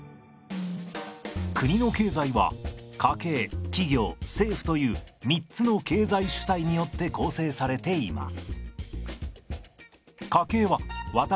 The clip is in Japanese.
国の経済は家計企業政府という３つの経済主体によって構成されています。